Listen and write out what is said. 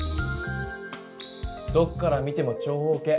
どっから見ても長方形。